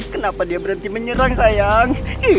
kenapa dia berhenti menyerang sayang